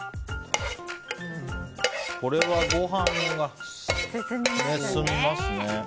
これはご飯が進みますね。